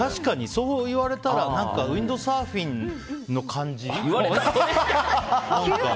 そう言われたら、確かにウィンドサーフィンの感じ。